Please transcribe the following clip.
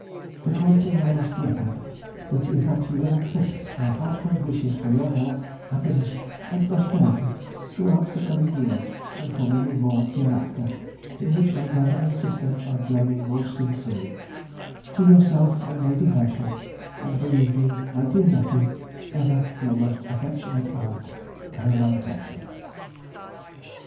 But one thing I must yet add, which is that you will accept my heartfelt wishes for your health, happiness, and prosperity throughout the coming year and for many more hereafter, in which my brother and sister are joining most sincerely, to yourself and Lady Herschel, and believe me, my dear nephew, Ever your most affectionate aunt, CAR. HERSCHEL.